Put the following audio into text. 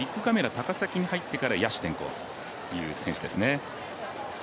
高崎に入ってから野手転向という選手ですね。